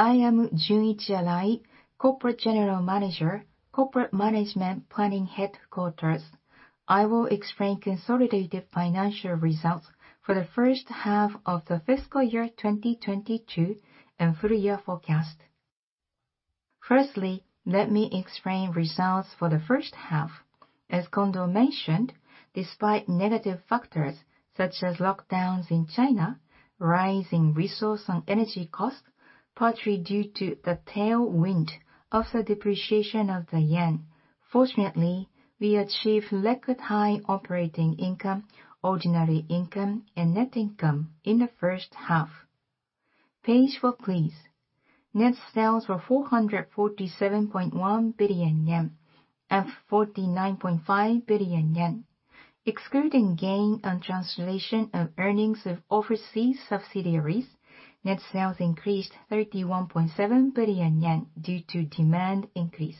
I am Junichi Arai, Corporate General Manager, Corporate Management Planning Headquarters. I will explain consolidated financial results for the first half of the fiscal year 2022 and full year forecast. Firstly, let me explain results for the first half. As Kondo mentioned, despite negative factors such as lockdowns in China, rising resource and energy costs, partly due to the tailwind of the depreciation of the yen, fortunately, we achieved record high operating income, ordinary income, and net income in the first half. Page four, please. Net sales were 447.1 billion yen, up 49.5 billion yen. Excluding gain on translation of earnings of overseas subsidiaries, net sales increased 31.7 billion yen due to demand increase.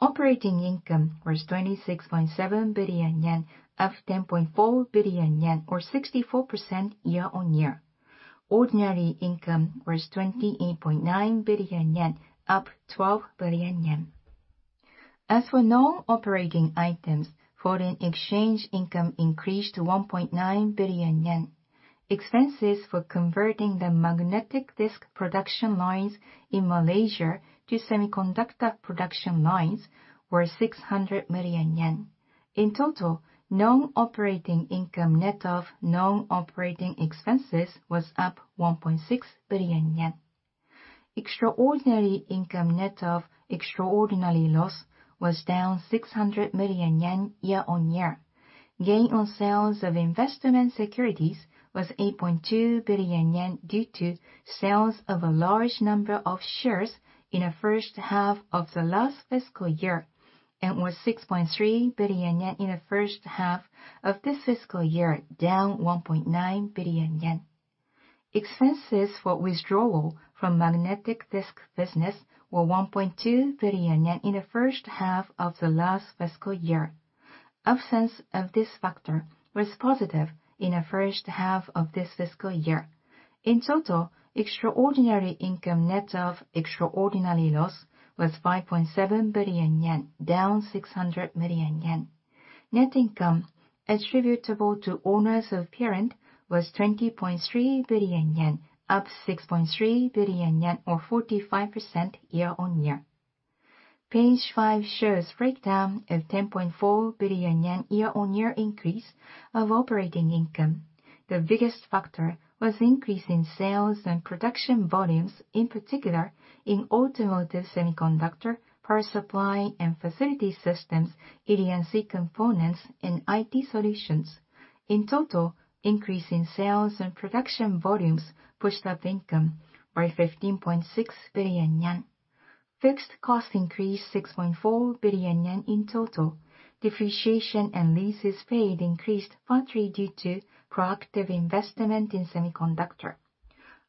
Operating income was 26.7 billion yen, up 10.4 billion yen, or 64% year-on-year. Ordinary income was 28.9 billion yen, up 12 billion yen. As for non-operating items, foreign exchange income increased to 1.9 billion yen. Expenses for converting the magnetic disks production lines in Malaysia to Semiconductors production lines were 600 million yen. In total, non-operating income net of non-operating expenses was up 1.6 billion yen. Extraordinary income net of extraordinary loss was down 600 million yen year-on-year. Gain on sales of investment securities was 8.2 billion yen due to sales of a large number of shares in the first half of the last fiscal year and was 6.3 billion yen in the first half of this fiscal year, down 1.9 billion yen. Expenses for withdrawal from magnetic disks business were 1.2 billion yen in the first half of the last fiscal year. Absence of this factor was positive in the first half of this fiscal year. In total, extraordinary income net of extraordinary loss was 5.7 billion yen, down 600 million yen. Net income attributable to owners of parent was 20.3 billion yen, up 6.3 billion yen, or 45% year-on-year. Page five shows breakdown of 10.4 billion yen year-on-year increase of operating income. The biggest factor was increase in sales and production volumes, in particular in Automotive Semiconductors, Power Supply and Facility Systems, ED&C components, and IT Solutions. In total, increase in sales and production volumes pushed up income by 15.6 billion yen. Fixed costs increased 6.4 billion yen in total. Depreciation and leases paid increased partly due to proactive investment in Semiconductors.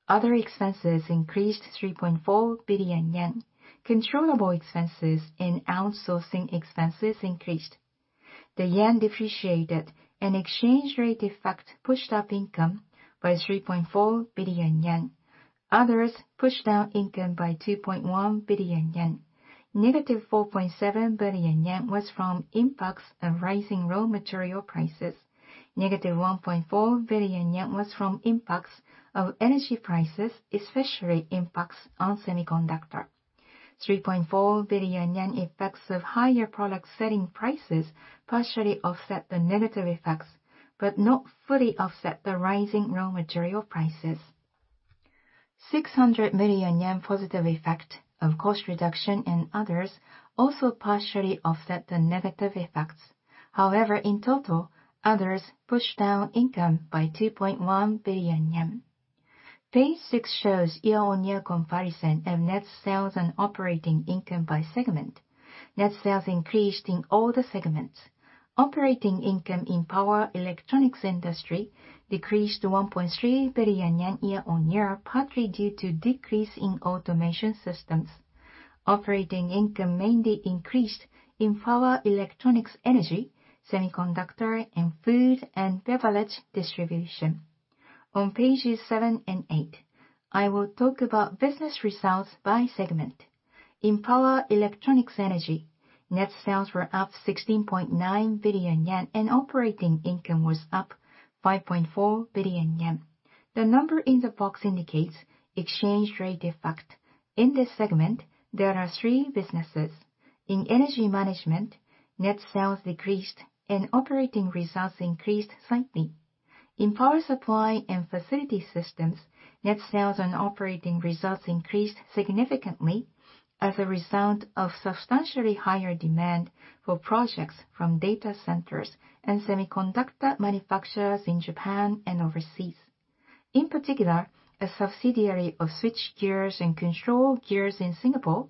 Other expenses increased 3.4 billion yen. Controllable expenses and outsourcing expenses increased. The yen depreciated, and exchange rate effect pushed up income by 3.4 billion yen. Others pushed down income by 2.1 billion yen. -4.7 billion yen was from impacts of rising raw material prices. -1.4 billion yen was from impacts of energy prices, especially impacts on Semiconductors. 3.4 billion yen effects of higher product selling prices partially offset the negative effects, but not fully offset the rising raw material prices. 600 million yen positive effect of cost reduction and others also partially offset the negative effects. However, in total, others pushed down income by 2.1 billion yen. Page six shows year-on-year comparison of net sales and operating income by segment. Net sales increased in all the segments. Operating income in Power Electronics Industry decreased 1.3 billion yen year-on-year, partly due to decrease in Automation Systems. Operating income mainly increased in Power Electronics Energy, Semiconductors, and Food and Beverage Distribution. On pages seven and eight, I will talk about business results by segment. In Power Electronics Energy, net sales were up 16.9 billion yen, and operating income was up 5.4 billion yen. The number in the box indicates exchange rate effect. In this segment, there are three businesses. In Energy Management, net sales decreased and operating results increased slightly. In Power Supply and Facility Systems, net sales and operating results increased significantly as a result of substantially higher demand for projects from data centers and semiconductor manufacturers in Japan and overseas. In particular, a subsidiary of switchgear and controlgear in Singapore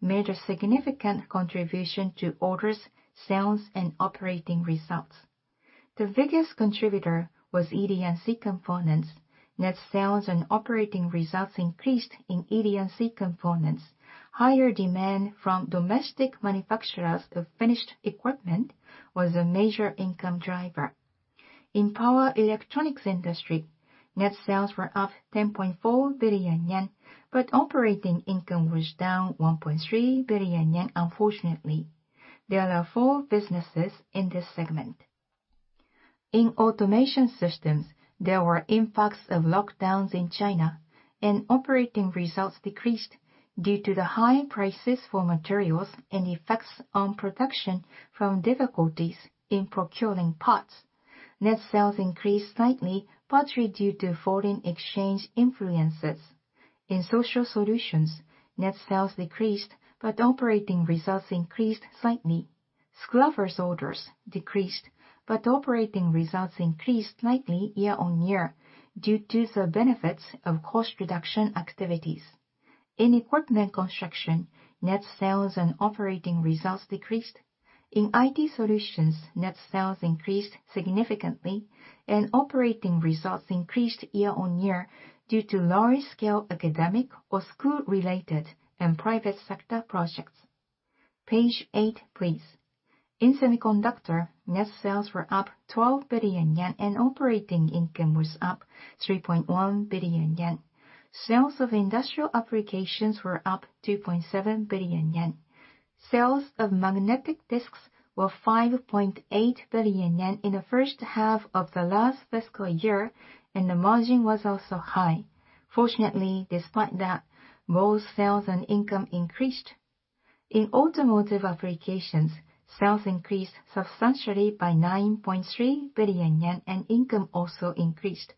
made a significant contribution to orders, sales, and operating results. The biggest contributor was ED&C components. Net sales and operating results increased in ED&C components. Higher demand from domestic manufacturers of finished equipment was a major income driver. In Power Electronics Industry, net sales were up 10.4 billion yen, but operating income was down 1.3 billion yen unfortunately. There are four businesses in this segment. In Automation Systems, there were impacts of lockdowns in China and operating results decreased due to the high prices for materials and effects on production from difficulties in procuring parts. Net sales increased slightly, partially due to foreign exchange influences. In Social Solutions, net sales decreased, but operating results increased slightly. Scraper orders decreased, but operating results increased slightly year-on-year due to the benefits of cost reduction activities. In Equipment Construction, net sales and operating results decreased. In IT Solutions, net sales increased significantly and operating results increased year-on-year due to large-scale academic or school-related and private sector projects. Page eight, please. In Semiconductors, net sales were up 12 billion yen and operating income was up 3.1 billion yen. Sales of industrial applications were up 2.7 billion yen. Sales of magnetic disks were 5.8 billion yen in the first half of the last fiscal year, and the margin was also high. Fortunately, despite that, both sales and income increased. In automotive applications, sales increased substantially by 9.3 billion yen and income also increased.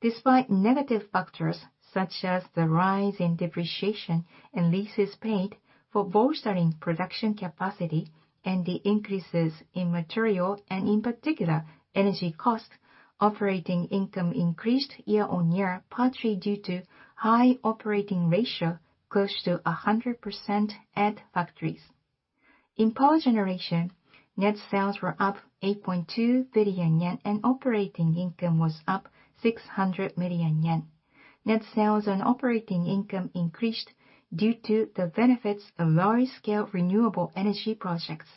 Despite negative factors such as the rise in depreciation and leases paid for bolstering production capacity and the increases in material and in particular energy costs, operating income increased year-on-year, partially due to high operating ratio close to 100% at factories. In Power Generation, net sales were up 8.2 billion yen and operating income was up 600 million yen. Net sales and operating income increased due to the benefits of large-scale renewable energy projects.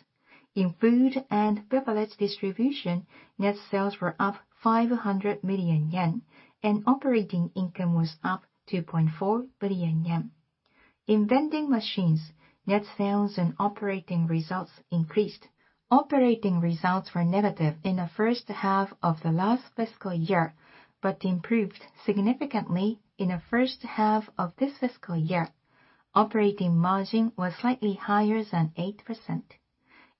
In Food and Beverage Distribution, net sales were up 500 million yen and operating income was up 2.4 billion yen. In Vending Machines, net sales and operating results increased. Operating results were negative in the first half of the last fiscal year, but improved significantly in the first half of this fiscal year. Operating margin was slightly higher than 8%.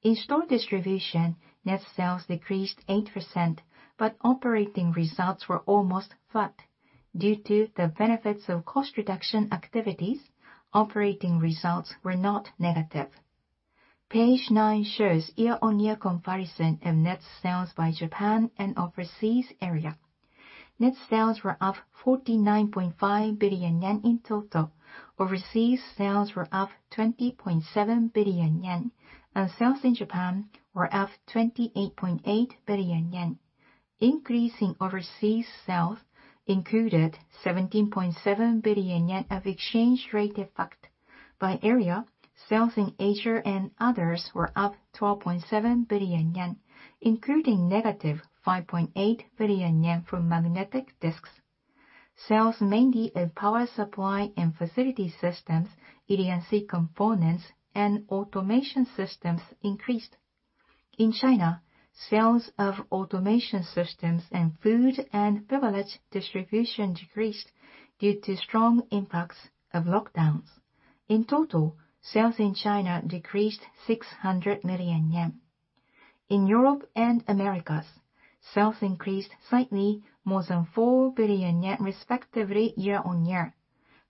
In Store Distribution, net sales decreased 8%, but operating results were almost flat. Due to the benefits of cost reduction activities, operating results were not negative. Page nine shows year-on-year comparison of net sales by Japan and overseas area. Net sales were up 49.5 billion yen in total. Overseas sales were up 20.7 billion yen, and sales in Japan were up 28.8 billion yen. Increasing overseas sales included 17.7 billion yen of exchange rate effect. By area, sales in Asia and others were up 12.7 billion yen, including -5.8 billion yen from magnetic disks. Sales mainly of Power Supply and Facility Systems, ED&C components and Automation Systems increased. In China, sales of Automation Systems and Food and Beverage Distribution decreased due to strong impacts of lockdowns. In total, sales in China decreased 600 million yen. In Europe and Americas, sales increased slightly more than 4 billion yen respectively year-on-year.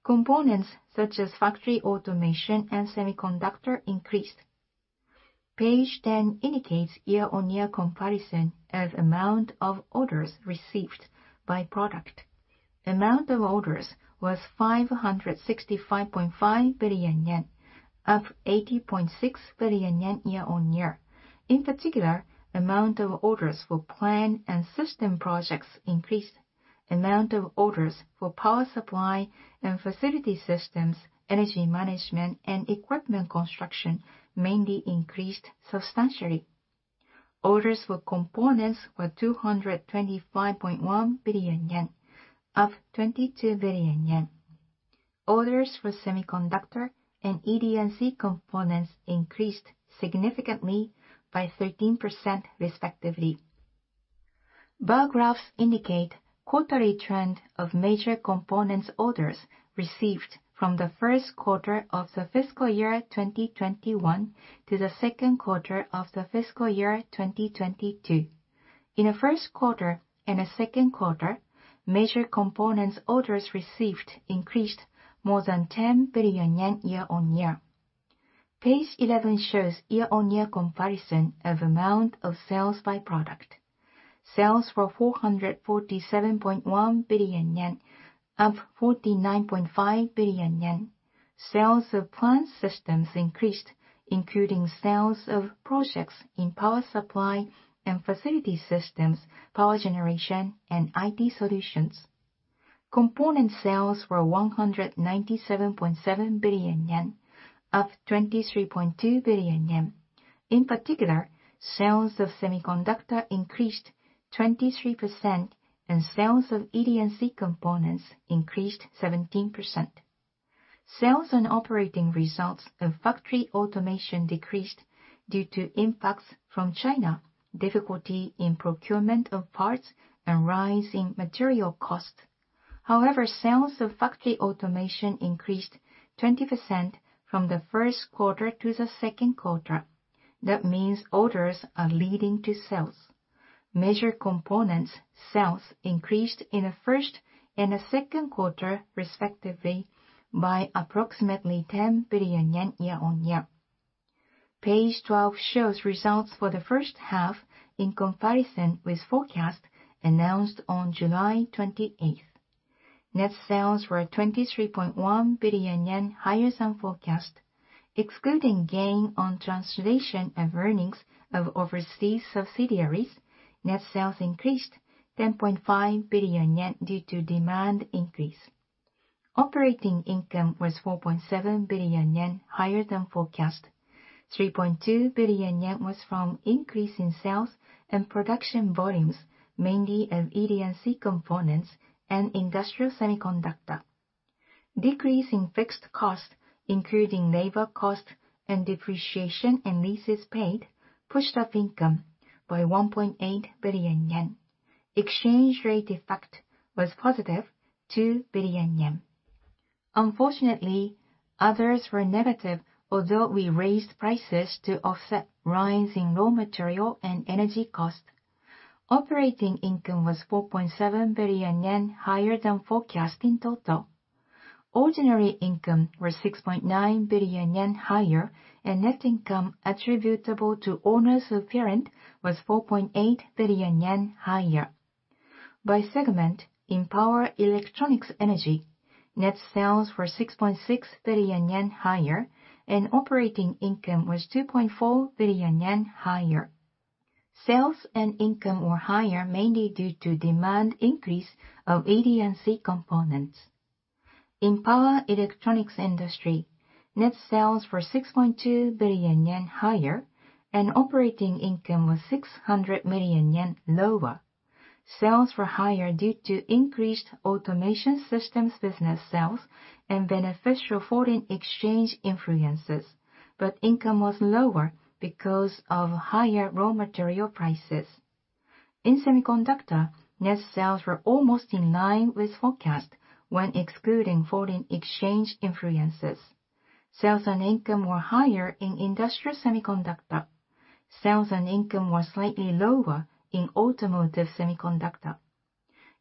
Components such as Factory Automation and Semiconductors increased. Page 10 indicates year-on-year comparison as amount of orders received by product. Amount of orders was 565.5 billion yen, up 80.6 billion yen year-on-year. In particular, amount of orders for plant and system projects increased. Amount of orders for Power Supply and Facility Systems, Energy Management and Equipment Construction mainly increased substantially. Orders for components were 225.1 billion yen, up 22 billion yen. Orders for Semiconductors and ED&C components increased significantly by 13% respectively. Bar graphs indicate quarterly trend of major components orders received from the first quarter of the fiscal year 2021 to the second quarter of the fiscal year 2022. In the first quarter and the second quarter, major components orders received increased more than 10 billion yen year-on-year. Page 11 shows year-on-year comparison of amount of sales by product. Sales were 447.1 billion yen, up 49.5 billion yen. Sales of plant systems increased, including sales of projects in Power Supply and Facility Systems, Power Generation and IT Solutions. Component sales were 197.7 billion yen, up 23.2 billion yen. In particular, sales of Semiconductors increased 23%, and sales of ED&C components increased 17%. Sales and operating results of Factory Automation decreased due to impacts from China, difficulty in procurement of parts, and rise in material cost. However, sales of Factory Automation increased 20% from the first quarter to the second quarter. That means orders are leading to sales. ED&C components sales increased in the first and the second quarter, respectively, by approximately 10 billion year-on-year. Page 12 shows results for the first half in comparison with forecast announced on July 28th. Net sales were 23.1 billion yen higher than forecast. Excluding gain on translation of earnings of overseas subsidiaries, net sales increased 10.5 billion yen due to demand increase. Operating income was 4.7 billion yen higher than forecast. 3.2 billion yen was from increase in sales and production volumes, mainly of ED&C components and Industrial Semiconductors. Decrease in fixed cost, including labor cost and depreciation, and leases paid, pushed up income by 1.8 billion yen. Exchange rate effect was positive 2 billion yen. Unfortunately, others were negative, although we raised prices to offset rise in raw material and energy cost. Operating income was 4.7 billion yen higher than forecast in total. Ordinary income was 6.9 billion yen higher, and net income attributable to owners of parent was 4.8 billion yen higher. By segment, in Power Electronics Energy, net sales were 6.6 billion yen higher, and operating income was 2.4 billion yen higher. Sales and income were higher, mainly due to demand increase of ED&C components. In Power Electronics Industry, net sales were 6.2 billion yen higher, and operating income was 600 million yen lower. Sales were higher due to increased Automation Systems business sales and beneficial foreign exchange influences, but income was lower because of higher raw material prices. In Semiconductors, net sales were almost in line with forecast when excluding foreign exchange influences. Sales and income were higher in Industrial Semiconductors. Sales and income were slightly lower in Automotive Semiconductors.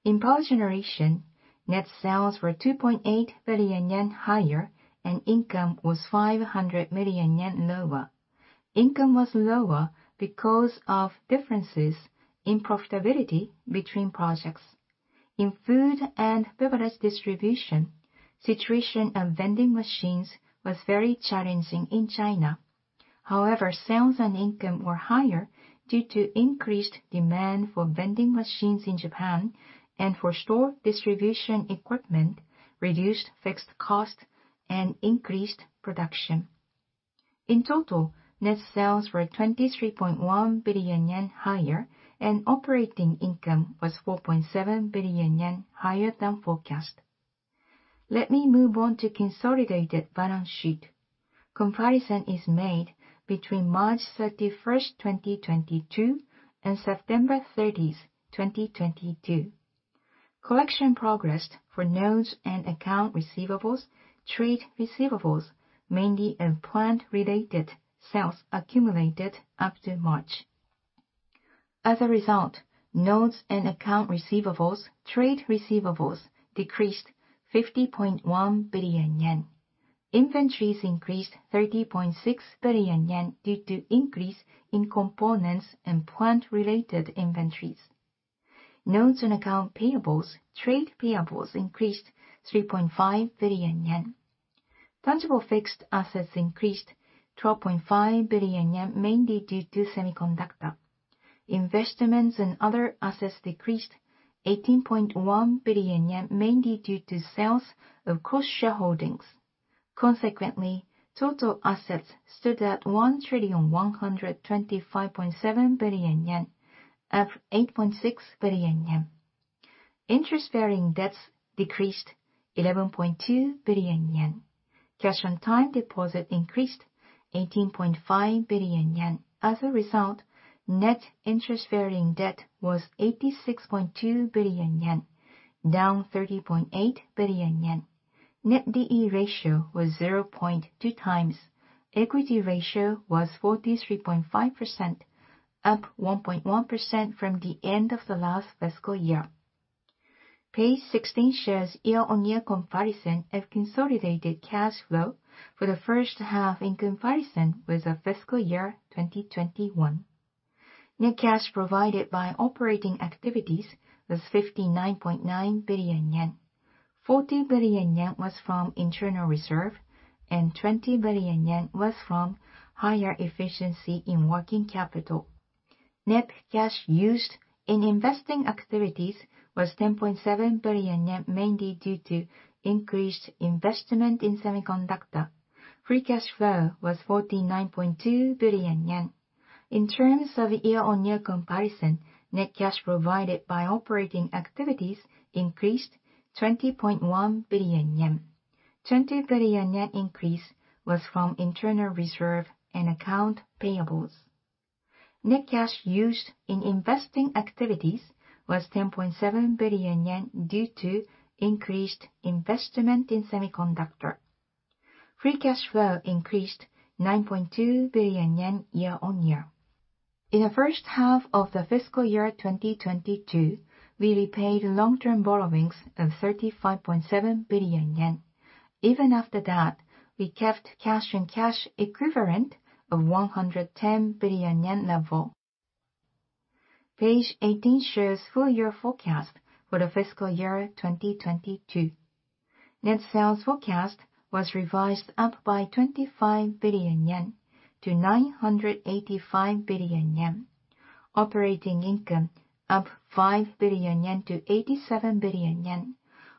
In Power Generation, net sales were 2.8 billion yen higher, and income was 500 million yen lower. Income was lower because of differences in profitability between projects. In Food and Beverage Distribution, situation of Vending Machines was very challenging in China. However, sales and income were higher due to increased demand for Vending Machines in Japan and for Store Distribution equipment, reduced fixed cost, and increased production. In total, net sales were 23.1 billion yen higher, and operating income was 4.7 billion yen higher than forecast. Let me move on to consolidated balance sheet. Comparison is made between March 31st, 2022, and September 30th, 2022. Collection progressed for notes and account receivables, trade receivables, mainly of plant-related sales accumulated after March. As a result, notes and account receivables, trade receivables decreased 50.1 billion yen. Inventories increased 30.6 billion yen due to increase in components and plant-related inventories. Notes and account payables, trade payables increased 3.5 billion yen. Tangible fixed assets increased 12.5 billion yen, mainly due to Semiconductors. Investments and other assets decreased 18.1 billion yen, mainly due to sales of cross-shareholdings. Consequently, total assets stood at 1,125.7 billion yen, up 8.6 billion yen. Interest-bearing debts decreased 11.2 billion yen. Cash and time deposit increased 18.5 billion yen. As a result, net interest-bearing debt was 86.2 billion yen, down 30.8 billion yen. Net D/E ratio was 0.2x. Equity ratio was 43.5%, up 1.1% from the end of the last fiscal year. Page 16 shows year-on-year comparison of consolidated cash flow for the first half in comparison with the fiscal year 2021. Net cash provided by operating activities was 59.9 billion yen. 40 billion yen was from internal reserve, and 20 billion yen was from higher efficiency in working capital. Net cash used in investing activities was 10.7 billion yen, mainly due to increased investment in Semiconductors. Free cash flow was 49.2 billion yen. In terms of year-on-year comparison, net cash provided by operating activities increased 20.1 billion yen. 20 billion yen increase was from internal reserves and accounts payable. Net cash used in investing activities was 10.7 billion yen due to increased investment in Semiconductors. Free cash flow increased 9.2 billion yen year-on-year. In the first half of the fiscal year 2022, we repaid long-term borrowings of 35.7 billion yen. Even after that, we kept cash and cash equivalents of 110 billion yen level. Page 18 shows full year forecast for the fiscal year 2022. Net sales forecast was revised up by 25 billion yen to 985 billion yen. Operating income up 5 billion yen to 87 billion yen.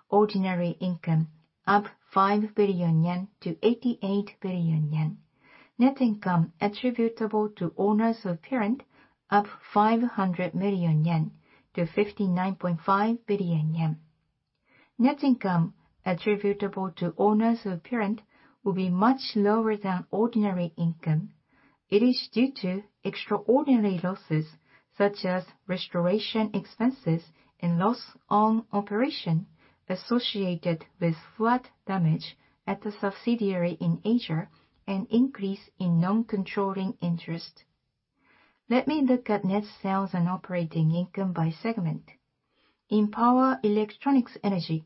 Ordinary income up 5 billion yen to 88 billion yen. Net income attributable to owners of parent up 500 million yen to 59.5 billion yen. Net income attributable to owners of parent will be much lower than ordinary income. It is due to extraordinary losses such as restoration expenses and loss on operation associated with flood damage at the subsidiary in Asia and increase in non-controlling interest. Let me look at net sales and operating income by segment. In Power Electronics Energy,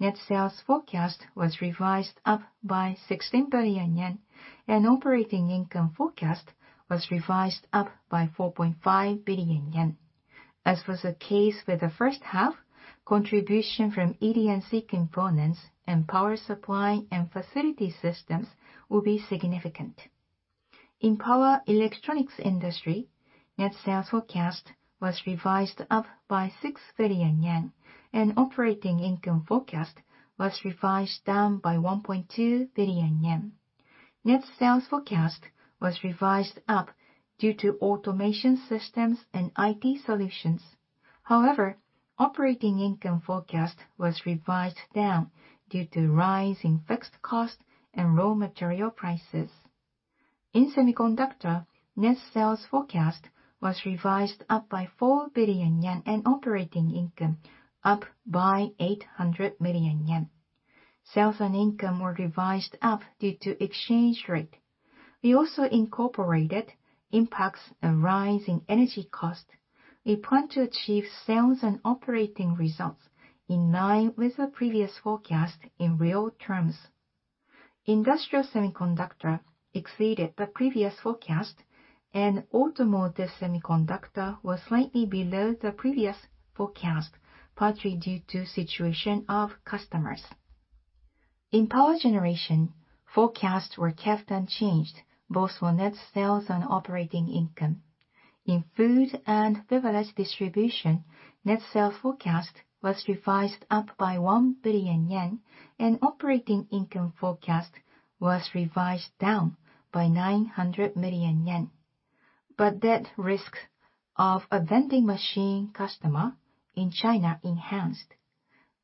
net sales forecast was revised up by 16 billion yen and operating income forecast was revised up by 4.5 billion yen. As was the case with the first half, contribution from ED&C components and Power Supply and Facility Systems will be significant. In Power Electronics Industry, net sales forecast was revised up by 6 billion yen and operating income forecast was revised down by 1.2 billion yen. Net sales forecast was revised up due to Automation Systems and IT Solutions. However, operating income forecast was revised down due to rise in fixed cost and raw material prices. In Semiconductors, net sales forecast was revised up by 4 billion yen, and operating income up by 800 million yen. Sales and income were revised up due to exchange rate. We also incorporated impacts of a rise in energy cost. We plan to achieve sales and operating results in line with the previous forecast in real terms. Industrial Semiconductors exceeded the previous forecast and Automotive Semiconductors was slightly below the previous forecast, partly due to situation of customers. In Power Generation, forecasts were kept unchanged both for net sales and operating income. In Food and Beverage Distribution, net sales forecast was revised up by 1 billion yen and operating income forecast was revised down by 900 million yen. That risk of a vending machine customer in China intensified.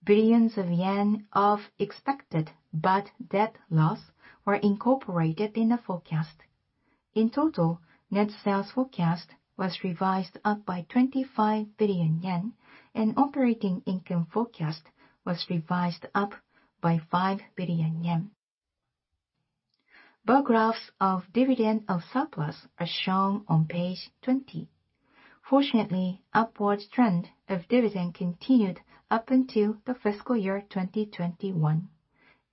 Billions of yen of expected bad debt loss were incorporated in the forecast. In total, net sales forecast was revised up by 25 billion yen, and operating income forecast was revised up by 5 billion yen. Bar graphs of dividend of surplus are shown on page 20. Fortunately, upward trend of dividend continued up until the fiscal year 2021.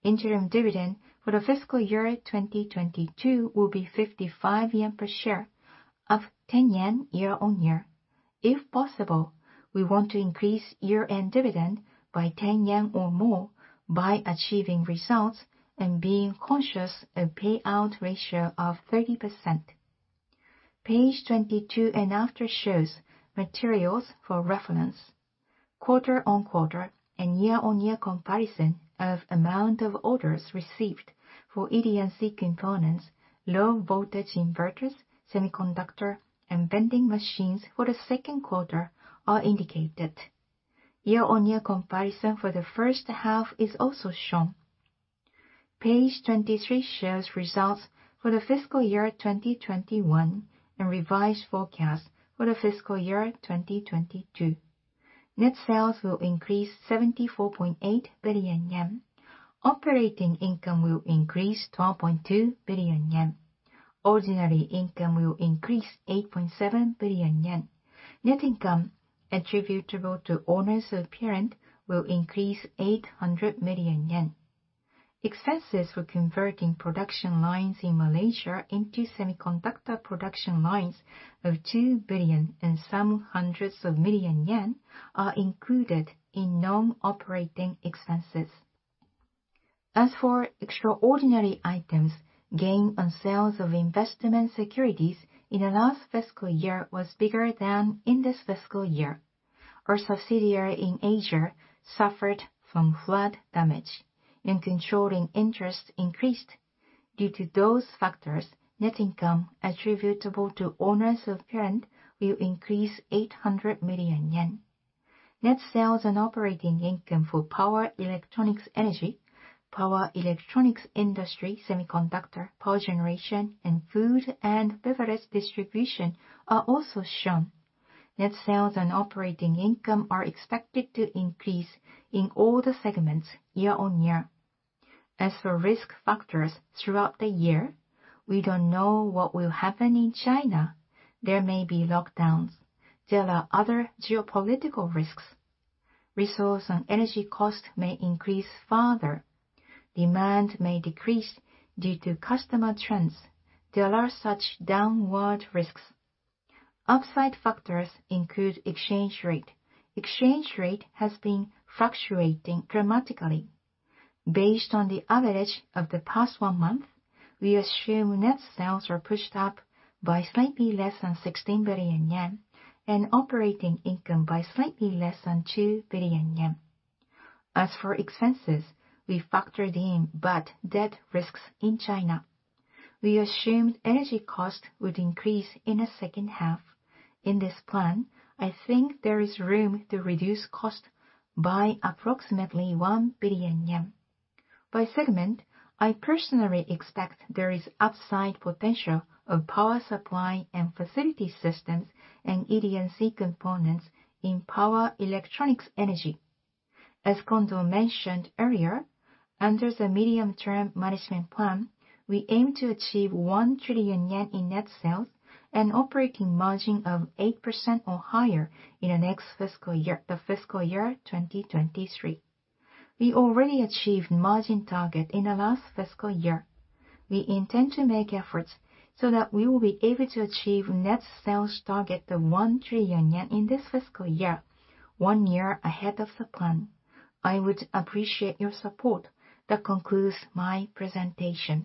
Interim dividend for the fiscal year 2022 will be 55 yen per share, up 10 yen year-on-year. If possible, we want to increase year-end dividend by 10 yen or more by achieving results and being conscious of payout ratio of 30%. Page 22 and after shows materials for reference. Quarter-on-quarter and year-on-year comparison of amount of orders received for ED&C components, Low Voltage Inverters, Semiconductors, and Vending Machines for the second quarter are indicated. Year-on-year comparison for the first half is also shown. Page 23 shows results for the fiscal year 2021 and revised forecast for the fiscal year 2022. Net sales will increase 74.8 billion yen. Operating income will increase 12.2 billion yen. Ordinary income will increase 8.7 billion yen. Net income attributable to owners of parent will increase 800 million yen. Expenses for converting production lines in Malaysia into semiconductors production lines of 2 billion and some hundreds of million yen are included in non-operating expenses. As for extraordinary items, gain on sales of investment securities in the last fiscal year was bigger than in this fiscal year. Our subsidiary in Asia suffered from flood damage and controlling interest increased. Due to those factors, net income attributable to owners of parent will increase 800 million yen. Net sales and operating income for Power Electronics Energy, power Electronics Industry, Semiconductors, Power Generation, and Food and Beverage Distribution are also shown. Net sales and operating income are expected to increase in all the segments year-on-year. As for risk factors throughout the year, we don't know what will happen in China. There may be lockdowns. There are other geopolitical risks. Resource and energy costs may increase further. Demand may decrease due to customer trends. There are such downward risks. Upside factors include exchange rate. Exchange rate has been fluctuating dramatically. Based on the average of the past one month, we assume net sales are pushed up by slightly less than 16 billion yen, and operating income by slightly less than 2 billion yen. As for expenses, we factored in, but the risks in China. We assumed energy costs would increase in the second half. In this plan, I think there is room to reduce cost by approximately 1 billion yen. By segment, I personally expect there is upside potential of Power Supply and Facility Systems and ED&C Components in Power Electronics Energy. As Kondo mentioned earlier, under the medium-term management plan, we aim to achieve 1 trillion yen in net sales and operating margin of 8% or higher in the next fiscal year, the fiscal year 2023. We already achieved margin target in the last fiscal year. We intend to make efforts so that we will be able to achieve net sales target of 1 trillion yen in this fiscal year, one year ahead of the plan. I would appreciate your support. That concludes my presentation.